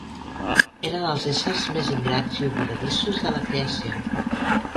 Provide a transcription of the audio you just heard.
Eren els éssers més ingrats i oblidadissos de la creació.